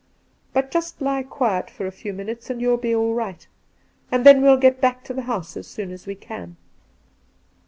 But just lie quiet for a few minutes, and you'll; be all right. And then we'll get back to the house as soon as we can